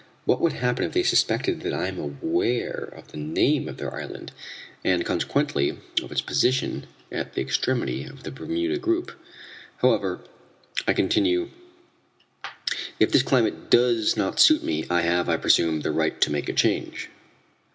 What would happen if they suspected that I am aware of the name of their island, and, consequently, of its position at the extremity of the Bermuda group? "However," I continue, "if this climate does not suit me, I have, I presume, the right to make a change."